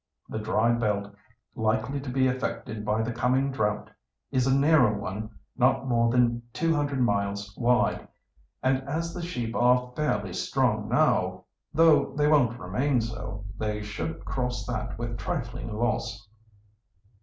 The dry belt likely to be affected by the coming drought is a narrow one not more than two hundred miles wide, and as the sheep are fairly strong now, though they won't remain so, they should cross that with trifling loss.